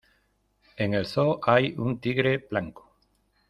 En el zoo hay un tigre blanco.